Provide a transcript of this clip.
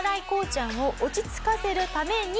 ちゃんを落ち着かせるために。